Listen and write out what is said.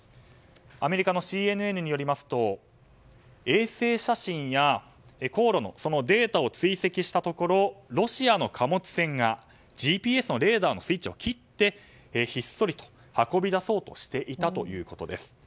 アメリカのＣＮＮによりますと衛星写真や航路のデータを追跡したところロシアの貨物船がＧＰＳのレーダーのスイッチを切って、ひっそりと運び出そうとしていたということです。